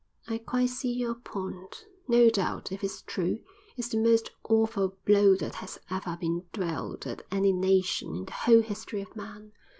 "I quite see your point. No doubt, if it's true, it's the most awful blow that has ever been dealt at any nation in the whole history of man.